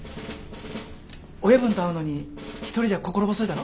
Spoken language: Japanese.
親分と会うのに一人じゃ心細いだろ？